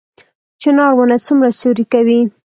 چنار ونه څومره سیوری کوي؟